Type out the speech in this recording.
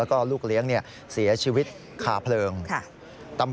แล้วก็ลุกลามไปยังตัวผู้ตายจนถูกไฟคลอกนะครับ